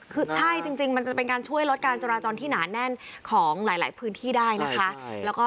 คือใช่จริงมันจะเป็นการช่วยลดการจราจรที่หนาแน่นของหลายพื้นที่ได้นะคะ